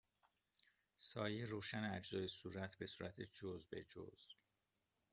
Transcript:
سایه روشن اجزای صورت به صورت جزء به جزء